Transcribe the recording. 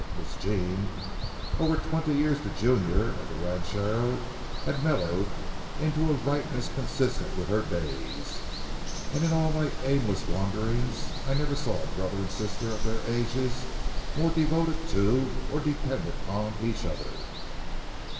Miss Jean, over twenty years the junior of the ranchero, had mellowed into a ripeness consistent with her days, and in all my aimless wanderings I never saw a brother and sister of their ages more devoted to, or dependent on each other.